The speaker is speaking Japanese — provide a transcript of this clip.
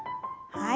はい。